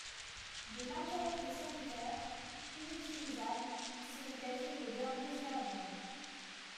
De l'intérieur des sanitaires, inutilisables, il se dégageait une odeur nauséabonde.